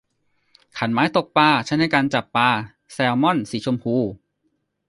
คันไม้ตกปลาใช้ในการจับปลาแซลมอนสีชมพู